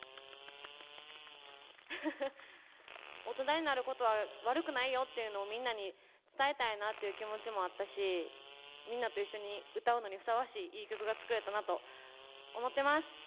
大人になることは悪くないよっていうのをみんなに伝えたいなっていう気持ちもあったしみんなと一緒に歌うのにふさわしいいい曲が作れたなと思ってます。